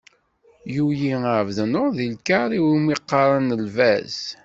Yuli Ԑebdennur deg lkaṛ iwmi qqaren “Lbaz”.